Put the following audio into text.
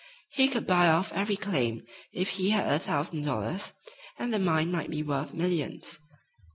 He could buy off every claim if he had a thousand dollars, and the mine might be worth millions.